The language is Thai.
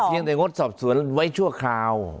ยังแต่งดสอบสวนไว้ชั่วคราว